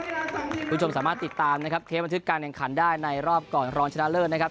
คุณผู้ชมสามารถติดตามนะครับเคปบันทึกการแข่งขันได้ในรอบก่อนรองชนะเลิศนะครับ